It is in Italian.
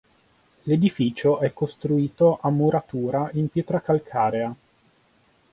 L'edificio è costruito a muratura in pietra calcarea.